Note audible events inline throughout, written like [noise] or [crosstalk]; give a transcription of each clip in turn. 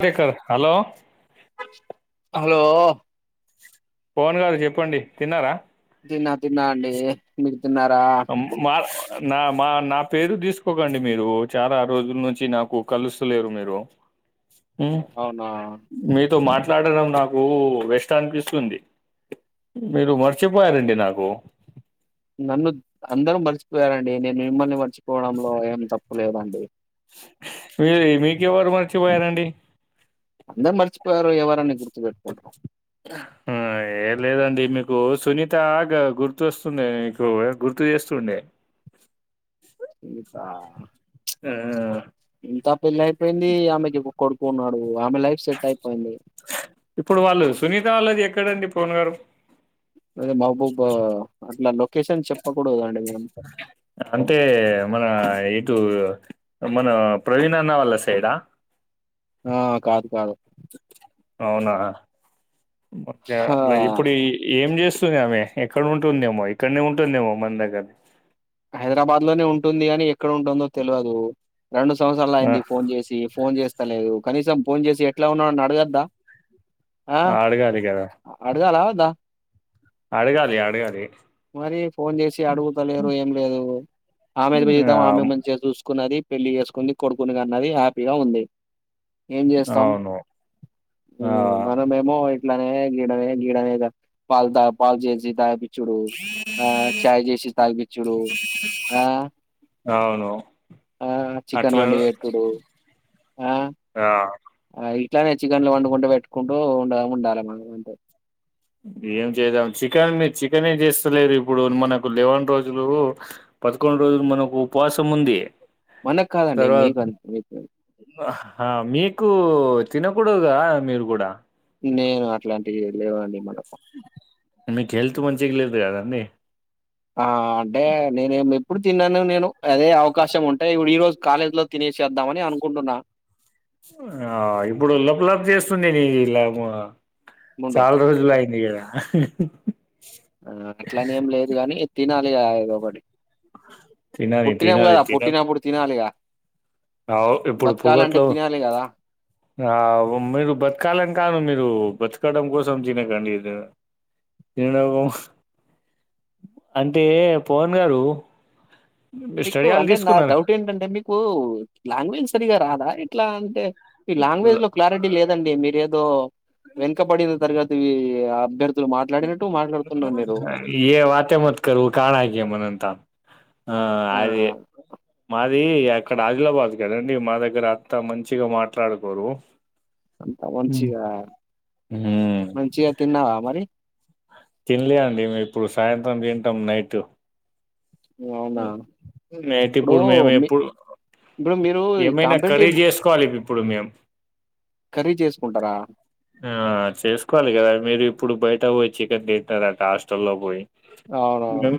కే కదా hello hello Pavan గారు చెప్పండి తిన్నారా తిన్న తిన్న అండి మీ అం మా నా మా నా పేరు తిసుకోకండి మీరు చాలా రోజుల నుంచి నాకు కలుస్తలేరు మీరు ఉమ్ అవునా మీతో మాట్లా మాట్లాడడం నాకు వెస్ట్ అనిపిస్తుంది మీరు మర్చిపోయారండి నాకు నన్ను అందరూ మర్చిపోయారండి నేను మిమ్మల్ని మర్చిపోవడంలో ఏం తప్పు లేదండి మీరు మీకు ఎవరు మర్చిపోయారంండి అందారూ మర్చిపోయారు ఎవరని పెట్టుకుంటాం అయి లేదండి మీకు సునీత గా గుర్తోస్తుందే మీకు గుర్తు చేస్తుండే సునీతా ఆ సునీత పెళ్లి అయిపోయింది ఆమెకి కొడుకున్నాడు ఇప్పుడు వాళ్ళు సునీత వాళ్ళది ఎక్క క్కడండి పవన్ గారు అదే మహబూబ అట్లా లొకేషన్ చెప్పకూడదండి మేం టు మన ప్రవీణన్న వాళ్ళ సైడ ఆ కాదు కాదు అవునా ఒకే ఆ, ఇప్పుడు ఏం చేస్త స్తుంది ఆమె ఎక్కడ ఉంటుందేమో ఇక్కడనే ఉంటుందేమో మన దగ్గరనే హైదరాబాద్ లోనే ఉంటుంది అని ఎక్కడ ఉంటుందో తెలవదు రెండు సంవత్సరాలు అయింది ఫోన్ చేసి ఫోన్ చేస్తా స్తాలేదు కనీసం ఫోన్ చేసి ఎట్లా ఉన్నావని అడగద్దా అడగాలి కదా వదా అడగాలి అడగాలి మరి ఫోన్ చేసి అడుగుతలేరు ఏం లేదు ఆమెది ఆ జీవితం ఆమె మంచిగా చూసుకున్నది పెళ్లి చేసుకుంది కొడుకుని గాన్నది హ్యాపీగా ఉంది ఏం చేస్తాం అవును ఆ ఉమ్ మనంమేమో ఇట్లనే గీడనే గీడనే గా పాలు తపి పాలు చేసి తపి చ్చుడు ఆ చాయ్ చేసి తాగిపచ్చుడు ఆ అవును ఆ చికెన్ అట్లా వండి పెట్టుడు ఆ ఆ ఆ ఇట్లానే చికెన్లు వండుకుంటూ పెట్టుకుంటూ ఉండ ఉండాలి మనం అంటే ఏం చేద్దాం చికెన్ మీ చికెన్ ఏం చేస్తలేరు ఇప్పుడు మనకు లెవన్ రోజులు పదకొండు రోజులు మనకు ఉపవాసం ఉంది మనకు కాదండి తర్వాత మీకు అంతకు మీకు తినకూడదుగా మీరు కూడా నేను అట్లాంటివి దేవాడి మనకం మీకు హెల్త్ మంచి లేదు కదండీ ఆ అంటే ననే ఏం ఇప్పుడు తిన్నాను నేను అదే అవకాశం ఉంటే ఇప్పుడు ఈ రోజు కాలేజీ లో తినేసేద్దామని అనుకుంటున్నా నిలా ముందు. చాల రోజులుయిందిద ఆ అట్లానే ఏం లేదు గాని తినాలి అయగబడి తినాలి పుట్టినాము కదా పుట్టినప్పుడు తినాలిగా అ ఇప్పుడు బతకాలంటే పొగట్లు తినాలి గదా! ఆ మీరు బతకాలం కాను మీరు బతకడం కోసం తినకండి ఇ తిన అంటే పవన్ గారు మీకు స్టడియాలు అంటే నా తీసుకున్నారు డౌట్ ఏంటంటే మీకు లాంగ్వేజ్ సరిగా రాదా ఇట్లా అంటే ఈ లాంగ్వేజ్ లో క్లారిటీ లేదండి మీర ఏదో వెనుకబడిన తరగతి అభ్యర్థి ఏ వాతే మత క కణ గ మనంతా ఆ అదిే మా అది అక్కడ ఆదిలాబాద్ కదండి మా దగ్గర అంతా మంచిగా మాట్లాడుకోరు అంత మంచిగా హ్మ్ మంచిగా తిన్నావా అ మరి తినలే అండి మేము ఇప్పుడు సాయంత్రం తింటాం నైట్ అవునా? నయితే ఇప్పుడు మేము ఎప్పుడు ఇప్పుడు మీరు ఈ ఏమైనా కాంపిటీటివ్ కఖర్రీదు చేసుకోవాలి ఇ ఇప్పుడు ఇప్పుడు మేము కర్రీ చేసుకుంటారా? ఆ చేసుకోవాలి కదా మీరు ఇప్పుడు బయట పోయి చికెన్ తింటారట హాస్టల్లో పోయి అవునవును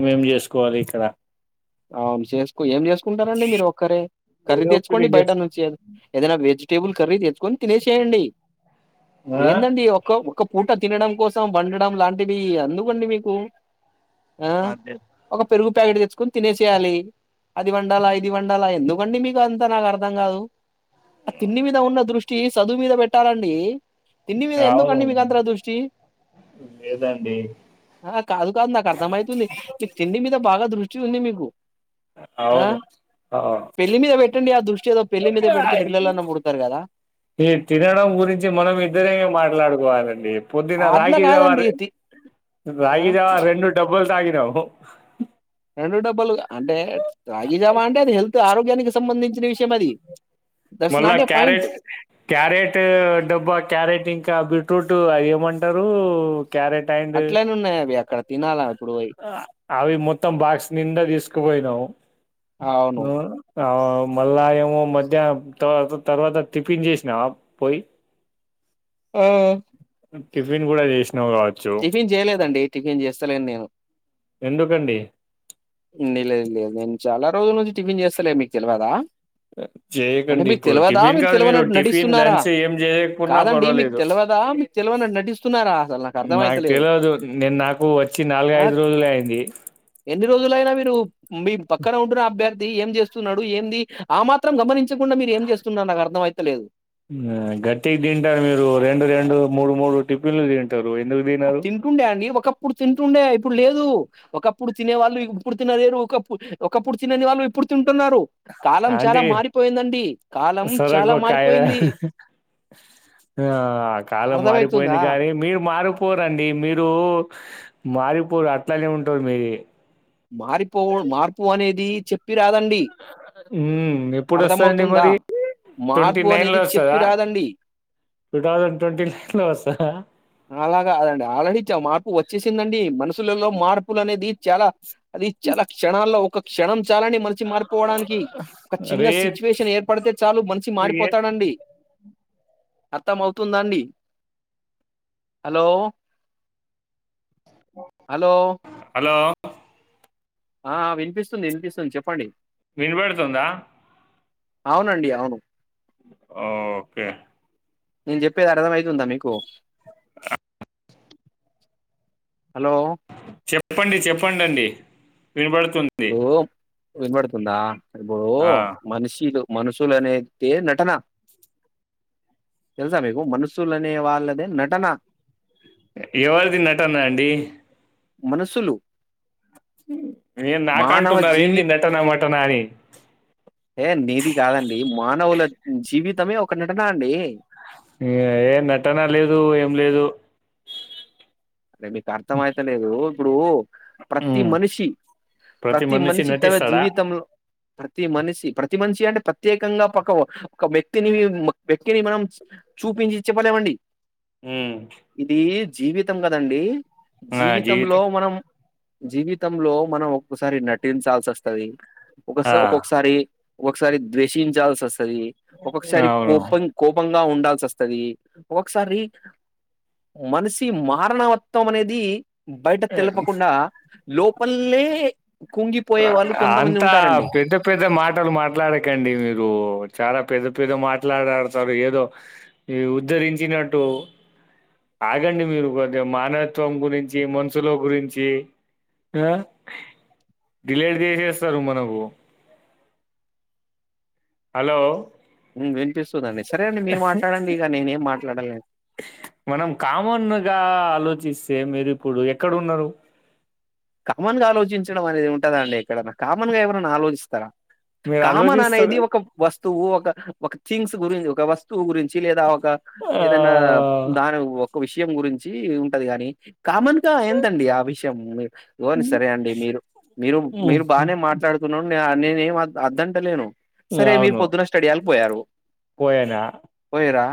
మేం చేసు కోవాల ఇక్కడ అవును చేసుకో ఏం చేసుకుంటారంండి మీరు ఒక్కరే కర్రీ ఏదో ఒకటి తెచ్చుకోండి బయట చేస్ నుంచిదు ఏదైనా వేజ్ టేబుల్ కర్రీ తెచ్చుకొని తినేసేయండి ఆ ఏందండి ఒ ఒక పూట తినడం కోసం వండడం లాంటివి అందుకండి మీకు ఆ అదే ఒక పెరుగు ప్యాట్చ్చకు తినే చేయాలి అది వండాలా ఇది వండాలా ఎందు అవండి మీకు అంతా నాకు అర్థం కాదు ఆ తిన్న మీద ఉన్న దృష్టి చదువు మీద పెట్టాలండి తిండి మీద ఎందుకండి అవును మీకు అంత దృష్టి లేదండి ఆ కాదు కాదు నాకు అర్థం అయితుంది మీకు తిండి మీద బాగా దృష్టి చూని మీకు ఆ! అవును అవును పెళ్లి మీద పెట్టండి ఆ దృష్టి ఏదో పెళ్లి మీద పెడితే పిల్లలన్నా పుడతారు కదా ఈ తినడం గురించి మనం ఇద్దరే మాట్లాడుకోవాలండి పొందిన అట్లా రాగి కాదండి దవారు ఇది ఆ రాగి దవ రెండు డబ్బులు తాగిరా రెండు డబ్బులు అంటే రాగి జవా అంటేది హెత్ ఆరోగ్యానికి సంబంధించి విషయం మ మొళ్ళ క్యారెట్ క్యారెట్ డబ్బా క్యారెట్ ఇంకా బ టోట్ అవి ఏమంటారు క్యారెట్ అండ్ అట్లనే ఉన్నాయా అవి అక్కడ తినాల అవి మొత్తం బాక్స్ నిండా తీసుకుపోయినావు అవును ను ఆ మళ్ళా ఏమో మధ్యాహ్నం త తర్వాత తిప్పించేసినావా పోయి ఆ టిఫిన్ కూడాదిష్ట టిఫిన్ చేయలేదండి టిఫిన్ చేస్తలేని నేను ఎందుకండి లేదు లేదు నేను చాలా రోజు నుంచి టిఫన్ చేస్తలే మీకు తెలియదా అంటే చేయకండి మీకు ఇప్పుడు తెలివదా టిఫిన్ మీరు కాదు తెలివనట్టు టిఫిన్ నటిస్తున్నారా లంచ్ ఏం చేయకున్నా కాదండి మీకు పర్వాలేదు తెలియదా మీకు తెలివనట్టు నటిస్తున్నారా అసలు నాకు అర్థమైతలేదు. తెలియదు నేను నాకు వచ్చి నాలుగై ఆ! ఐదు రోజులు అయింది ఎన్ని రోజులైనా మీరు మీ పక్కన ఉంటున్న అభ్యర్థి ఏం చేస్తున్నాడు ఏమిది ఆ మాత్రం గమనించకుండా మీరు ఏం చేస్తున్నారు నాకు అర్థం అయితలేదు గట్టికి తింటారు మీరు రెండు రెండు మూడు మూడు టిఫిన్లు తింటారు ఎందుకు తినరు తింటుండే అండి ఒకప్పుడు తింటుండే అ ఇప్పుడు లేదు ఒకప్పుడు తినే వాళ్ళు ఇప్పుడు తినలేరు ఒకప్పు ఒకప్పుడు తినని వాళ్ళు ఇప్పుడు తి అంటీ కాలం సరే చాలా గోక ఒక కాయ మారిపోయింది. ఆ ఆ కాలం మారిపోయింది అర్థమైతుందా? కానీ మీరు మారు పోరండి మీరు మారిపోరు అట్లనే ఉంటారు మీరి మారిపోవుడు మార్పు అనేది చెప్పి రాదండి మ్మ్ ఎప్పుడు వస్తదండి అర్థంమవుతుందా మరి ట్వంటీ మార్పు నైన్ లో అనేది చెప్పి వస్తదా రాదండి టూ థౌజండ్ ట్వంటీ నైన్ లో వస్తదా అలాగాదండి ఆల్రెడీ మార్పు వచ్చేసిందండి మనసు లలో మార్పులు అనేది చాలా అది చాలా క్షణాల్లో ఒక క్షణం చాలండి మనిషి మారిపోవడానికి ఒక చిన్న రే సిచ్యువేషన్ ఏర్పడితే చాలు మనిషి ఏ- మారిపోతాడండి అర్థం అవుతుందా అండి అలో అలో హలో ఆ వినిపిస్తుంది వినిపిస్తుంది చెప్పండి వినబడుతుందా అవునండి అవును ఓకే నేను చెప్పేది అర్థమయితుందా మీకు అలో చెప్పండి చెప్పడండి ఓ ఇబడుతుందా ఇగొ ఆ మనిషిలు మనుషుల అనేతే నటన తెలుసా మీకు మనుషులనే వాళ్ళ ఎవరది నటన అండి మనసులు ఏన్ నాకాంటున్నార జీవి ఏంది నటన మ టనా అని ఏ నిది కాదండి మానవుల జీవి తమే ఒక నటన అండి ఏ నటన లేదు ఏం లేదు అంటే మీకు అర్థం అయితలేదు ఇప్పుడు ప్రతి హ్మ్ మనిషి ప్రతి మనిషి తమ జీవితంలో ప్రతి మనిషి ప్ర ప్రతి మనిషి అంటే ప్రత్యేకంగా ఒక ఒక వ్యక్తిని వ్యక్తిని మనం చూపించి చెప్పలేమండి ఉం జీవి తం కదండి జీవిత జీవితంలో మనం జీవితంలో మనం ఒక్కసారి నటించాల్సి అస్తది ఒక సొ ఆ ఒక్కొక్కసారి ఒకసారి ద్వేషించాల్సి అస్ స్తది ఒక్కొక్కసారి అవును కోపం కోపంగా ఉండాల్ చస్తది ఒకసారి మనిషి మా మారణవత్వం అనేది బయట తెలపకుండా లోపలే కుంగిపోయే వాళ్ళు కొంతమంది అంతా ఉంటారండి. పెద్ద పెద్ద మాటలు మాట్లాడకండి మీరు చాలా పెద్ద పెద్ద మాట్లాడాడతారు ఏదో ఉద్ధరించినట్టు ఆగండి మీరు కొద్దిగా మానవత్వం గురించి మనుసుల గురించి ఆ డిలేట్ చేసేస్తారు మనకు హలో వినిపిస్తదండి సరే అండి మీరు మాట్లాడండి ఇగ నేనేం మాట్ డలే మనం కామన్ గా ఆలోచిస్తే మీరు ఇప్పుడు ఎక్కడ ఉన్నారు కామన్ గా ఆలోచించడం అనేది ఉంటదండి ఎక్కడన్నా కామన్ గా ఎవరన్నా ఆలోచిస్తారా మీరు కామన్ అనేది ఆలోచిస్తారు ఒక వస్తువు ఒక ఒక థింగ్స్ గురించి ఒక వస్తువు గురిం చ్చి లేదా ఒక ఆ! ఏదన్నా దాని ఒక విషయం గురించి ఉంటది కాని కామన్ గా ఏంతండి ఆ విషయం [unintelligible] సరే అండి మీరు మీరు మీరు బాగానే మాట్లాడుతున్నాం నేనేం అద్దంట లేను సరే మీరు అవును. పొద్దున స్టడి ఆల్ బొయారు పోయానా? పోయరా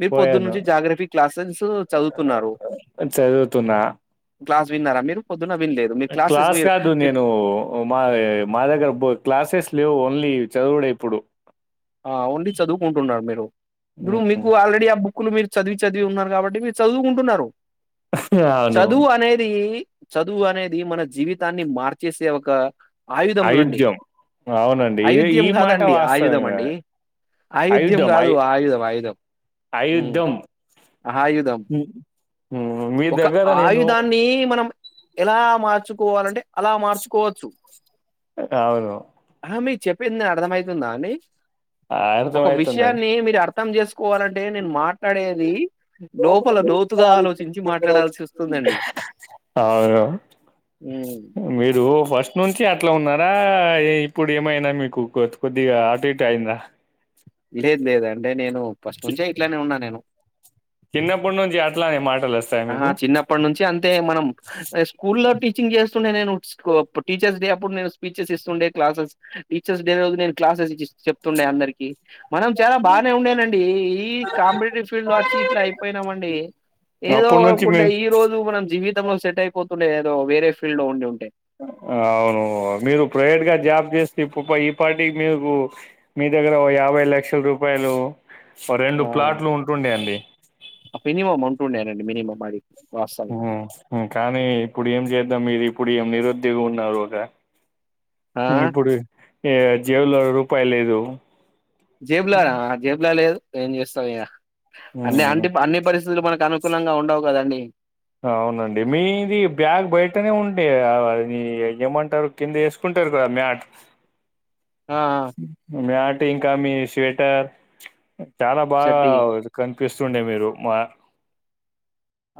మీరు పొద్దున్న పోయాను. నుంచి జాగ్రఫీ క్లాసెన్సు చదువుతున్నారు చదువుతున్నా. క్లాస్ విన్నార మీరు పొద్దున్న విన్ లె క్లాస్ కాదు నేను మాది మా దగ్గర క్లాసెస్ లేవు ఓన్లీ చదువుడే ఇప్పుడు ఆ ఓన్లీ చదువుకుంటున్నారు మీరు ఇబ్బండు హ్మ్. మీకు ఆల్రెడీ ఆ బుక్ క్కులు మీరు చదివి చదివి ఉన్నారు కాబట్టి మీరు చదువుకుంటున్నారు అవును. చదువు అనేది చదువు అనేది మన జీవితాన్ని మార్చేసే ఒక ఆయుధం అండి అయిధ్యం అవునండి ఈ ఆయుధ్యం మాట కాదండి వాస్తవం ఆయుధం అండి ఆయుధ్యం కాదు ఆయుధం ఆయుధం ఊ అయుద్ధం. ఆహాయుధం హ్మ్. హ్మ్. మీ ఒక దగ్గర నేను ఆయుధాన్ని మనం ఎలా మార్చుకోవాలంటే అలా మార్చుకోవచ్చు అవును. అహ మి చెప్పింది అరధమయితుందా అండి ఒక అర్థమవుతుందండి. విషయాన్ని మీరు అర్థం చేసుకోవాలంటే నేను మాట్లాడేది లోపల లోతుగా ఆలోచిం అవును ఉమ్, మీరు ఫస్ట్ నుంచి అట్ల ఉన్నార ఆ ఏ ఇప్పుడు ఏమైనా మీకు కొత్ కొద్దిగా ఆట్ ఇట్ టైందా లేదు లేదు అండే నేను ఫస్ట్ నుంచే ఇట్లనే ఉన్నా నేను [unintelligible] చిన్నప్పుడు నుంచి అట్లానే మాట్ ఆహా చిన్నప్పటి నుంచి అన్ అయితే మనం స్కూల్లో టీచింగ్ చేస్ తుండే నేను స్కోప్ టీచర్స్ డే అప్ ఇప్పుడు నేను స్పీచెస్ ఇస్తుండే క్లాసెస్ టీచర్స్ డే రోజు నేను క్లాసెస్ జిస్ చెప్తుండే అందరికి మనం చాలా బాగనే ఉండేనండి ఈ కాంపిటేటివ్ ఫీల్డ్ లో వచ్చి ఇట్లా అయిపోయినామండి ఏదో అప్పటి ఒక నుంచి మీ పూట ఈ రోజు మనం జీవితంలో సెట్ అయిపోత్ వుండే ఏదో వేరే ఫీల్డ్ లో ఉండి ఉంటాయి అవును మీరు ప్రైవేట్గా జాబ్ చేస్తే ఇపు ప ఈ పార్టీకి మీకు మీ దగ్గర ఓ యాభై లక్షల రూపాయలు ఫా రెండు ఆ! ప్లాట్లు ఉంటుండే అండి బడి ఊమ్ ఉం కానీ ఇప్పుడు ఏం చేద్దాం ఇది ఇప్పుడు ఏం నిరుద్యోగం ఉన్నారు ఓగ ఆ! ఈ ఇప్పుడు ఏ జేబులో రూపాయి లేదు జేబ్లానా జేబ్లా లేదు ఏం జెస్తాం ఇగ అన్ని ఉమ్. అంటి అన్ని పరిస్థితులు మన కను కులంగా ఉండవు గదండి అవునండి మీది బ్యాగ్ బయటనే ఉంటే అవి ఏ ఏమంటారు కింద ఏసుకుంటారు గదా మ్యాట్ ఆ! ఆ! మ్యాట్ ఇంకా మీ స్వేటర్ చాలా బాగా చెడ్డీ. ఉరు కన్ పిస్తుండే మీరు మా